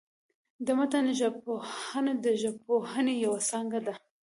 د متن ژبپوهنه، د ژبپوهني یوه څانګه ده.